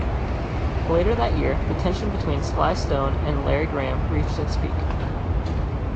Later that year, the tension between Sly Stone and Larry Graham reached its peak.